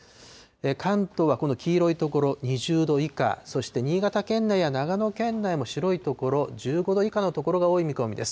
関東はこの黄色い所、２０度以下、そして新潟県内や長野県内も白い所、１５度以下の所が多い見込みです。